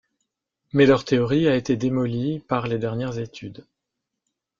Mais leur théorie a été démolie par les dernières études.